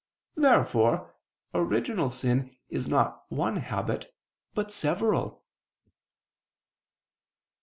Therefore original sin is not one habit; but several.